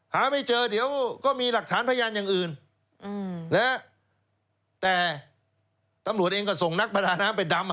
หาไม่เจอเดี๋ยวก็มีหลักฐานพยานอย่างอื่นแต่ตำรวจเองก็ส่งนักประดาน้ำไปดำอ่ะ